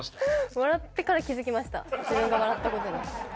笑ってから、気付きました、自分が笑ったことに。